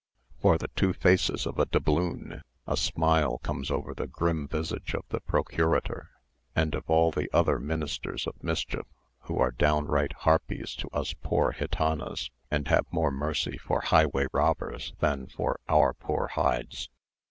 For the two faces of a doubloon, a smile comes over the grim visage of the procurator and of all the other ministers of mischief, who are downright harpies to us poor gitanas, and have more mercy for highway robbers than for our poor hides.